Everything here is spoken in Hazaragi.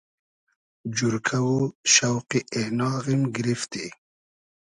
جورکۂ و شۆقی اېناغیم گیریفتی